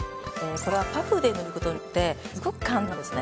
これはパフで塗ることによってすごく簡単なんですね。